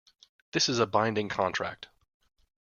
This is a binding contract.